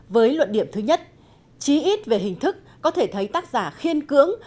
với luận điểm thứ nhất chí ít về hình thức có thể thấy tác giả khiên cưỡng